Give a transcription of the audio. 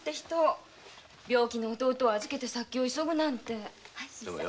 病気の弟を預けて先を急ぐなんて。